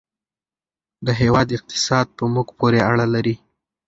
د هېواد اقتصاد په موږ پورې اړه لري.